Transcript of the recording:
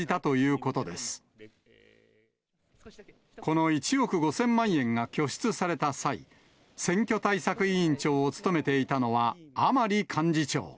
この１億５０００万円が拠出された際、選挙対策委員長を務めていたのは甘利幹事長。